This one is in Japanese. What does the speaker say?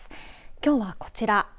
きょうはこちら。